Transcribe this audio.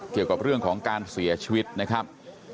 เกี่ยวกับเรื่องของการเสียชีวิตนะครับ